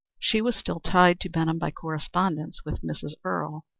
She was still tied to Benham by correspondence with Mrs. Earle.